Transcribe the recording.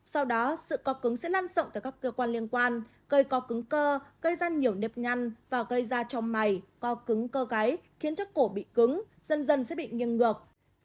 sau đó sự co cứng sẽ lan rộng tới các cơ quan liên quan gây co cứng cơ gây ra nhiều nếp nhăn và gây ra trong mày co cứng cơ gáy khiến cho cổ bị cứng dần dần sẽ bị nghiêng ngược